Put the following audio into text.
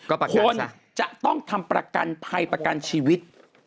ก็ประกันแหละสิคนจะต้องทำประกันภัยประกันชีวิต